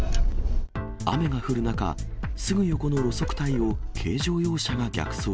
雨が降る中、すぐ横の路側帯を軽乗用車が逆走。